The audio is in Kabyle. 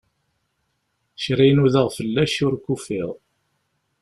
Kra i nudaɣ fell-ak, ur k-ufiɣ.